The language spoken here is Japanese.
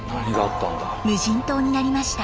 無人島になりました。